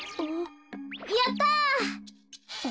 やった！